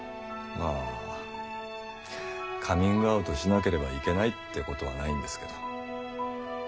まあカミングアウトしなければいけないってことはないんですけど。